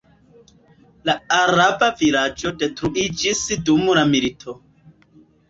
La araba vilaĝo detruiĝis dum la milito.